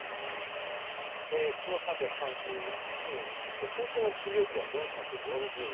昨日３３７人そして先週の水曜日は４４０人。